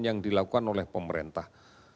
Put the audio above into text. yang dilakukan oleh pemerintah